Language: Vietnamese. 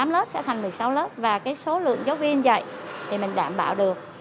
tám lớp sẽ thành một mươi sáu lớp và cái số lượng giáo viên dạy thì mình đảm bảo được